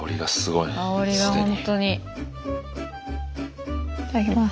いただきます。